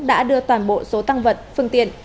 đã đưa toàn bộ số tăng vật phương tiện